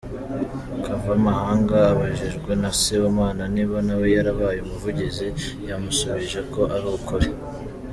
Kavamahanga abajijwe na Sibomana niba nawe yarabaye umuvugizi, yamusubijeko ari ukuri.